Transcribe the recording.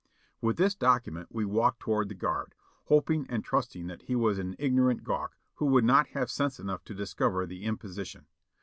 With this document we walked toward the guard, hoping and trusting that he was an ignorant gawk who would not have sense enough to discover the imposition.